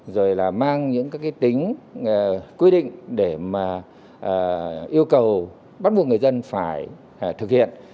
rồi là mang những tính quy định để yêu cầu bắt buộc người dân phải thực hiện